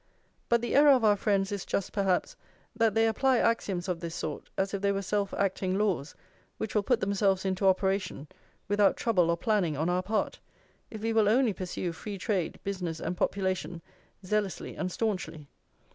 But the error of our friends is just, perhaps, that they apply axioms of this sort as if they were self acting laws which will put themselves into operation without trouble or planning on our part, if we will only pursue free trade, business, and population zealously and staunchly.